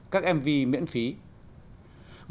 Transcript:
các mv miễn phí các bài hát các bài hát các bài hát